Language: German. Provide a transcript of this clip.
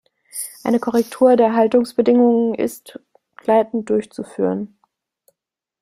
Eine Korrektur der Haltungsbedingungen ist begleitend durchzuführen.